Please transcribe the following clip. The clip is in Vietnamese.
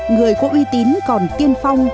người có uy tín còn tiên phong